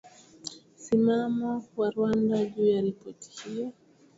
simamo wa rwanda juu ya ripoti hiyo